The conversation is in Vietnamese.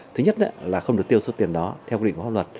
thứ nhất là không được tiêu số tiền đó